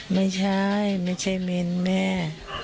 ไม่ใช่ไม่ใช่เม้นแม่